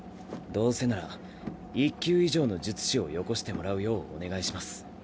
どうせなら１級以上の術師をよこしてもらうようお願いします。